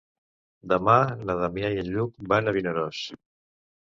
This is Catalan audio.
Demà na Damià i en Lluc van a Vinaròs.